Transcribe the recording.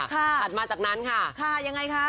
ค่ะตัดมาจากนั้นค่ะค่ะยังไงคะ